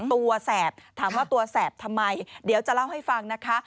แสบถามว่าตัวแสบทำไมเดี๋ยวจะเล่าให้ฟังนะคะ